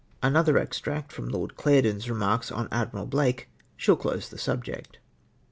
Another extract, from Lord Clarendon's remarks on Admiral Blake, shall close the subject.